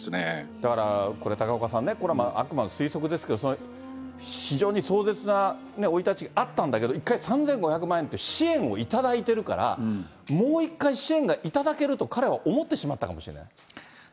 だからこれ、高岡さんね、これあくまで推測ですけど、非常に壮絶な生い立ちあったんだけど、１回、３５００万円っていう支援を頂いてるから、もう一回支援が頂けると、彼は思ってしまったかもしれない。